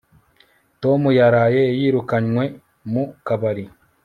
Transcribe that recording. tom yaraye yirukanwe mu kabari